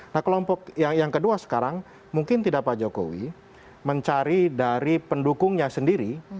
nah kelompok yang kedua sekarang mungkin tidak pak jokowi mencari dari pendukungnya sendiri